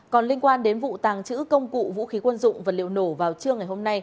còn liên quan đến vụ tàng trữ công cụ vũ khí quân dụng vật liệu nổ vào trưa ngày hôm nay